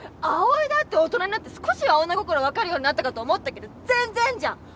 葵だって大人になって少しは女心分かるようになったかと思ったけど全然じゃん。